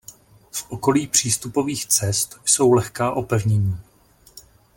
V okolí přístupových cest jsou lehká opevnění.